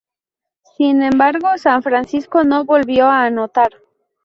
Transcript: Sin embargo, San Francisco no volvió a anotar.